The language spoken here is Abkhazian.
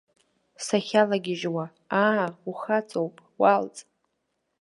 Сахьалагьежьуа, аа, ухаҵоуп, уалҵ!